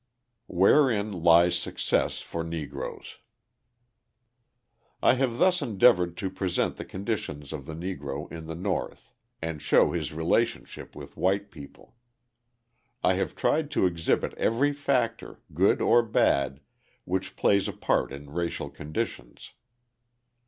Wherein Lies Success for Negroes I have thus endeavoured to present the conditions of the Negro in the North and show his relationship with white people. I have tried to exhibit every factor, good or bad, which plays a part in racial conditions.